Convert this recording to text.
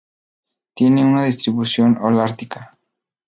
Tienen una distribución holártica.